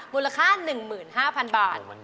มูลค่า๑๕๐๐๐บาท